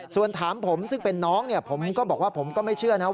ส่วนถามผมซึ่งเป็นน้องเนี่ยผมก็บอกว่าผมก็ไม่เชื่อนะว่า